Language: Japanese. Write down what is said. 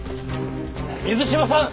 水島さん！